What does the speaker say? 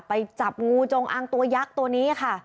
ไปจับงูจงอางตัวยักษ์ตัวนี้ค่ะ